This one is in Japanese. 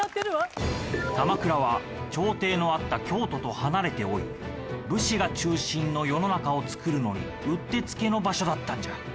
鎌倉は朝廷のあった京都と離れており武士が中心の世の中をつくるのにうってつけの場所だったんじゃ。